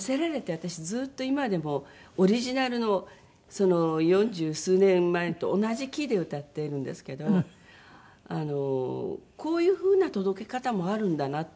私ずっと今でもオリジナルの四十数年前と同じキーで歌ってるんですけどあのこういう風な届け方もあるんだなって。